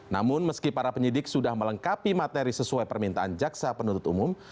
namun meski para penyidik sudah melengkapi materi sesuai permintaan jaksa penuntut umum